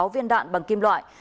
sáu viên đạn bằng kim loại